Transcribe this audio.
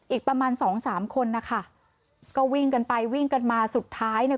อีกประมาณสองสามคนนะคะก็วิ่งกันไปวิ่งกันมาสุดท้ายเนี่ย